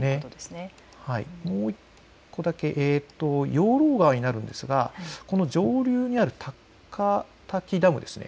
養老川になりますが上流にある高滝ダムですね。